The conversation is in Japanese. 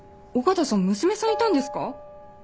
尾形さん娘さんいたんですか？